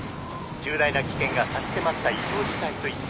重大な危険が差し迫った異常事態といっていい状況」。